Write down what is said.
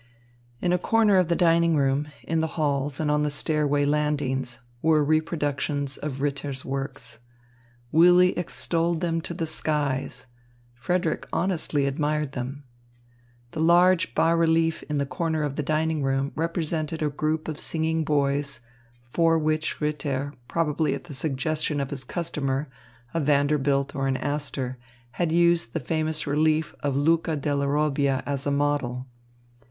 In a corner of the dining room, in the halls and on the stairway landings, were reproductions of Ritter's works. Willy extolled them to the skies; Frederick honestly admired them. The large bas relief in the corner of the dining room represented a group of singing boys, for which Ritter, probably at the suggestion of his customer, a Vanderbilt or an Astor, had used the famous relief of Luca della Robbia as a model.